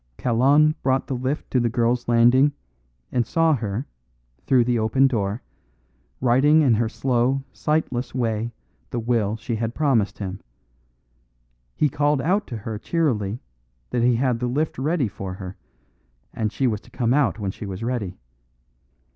Kalon brought the lift to the girl's landing, and saw her, through the open door, writing in her slow, sightless way the will she had promised him. He called out to her cheerily that he had the lift ready for her, and she was to come out when she was ready.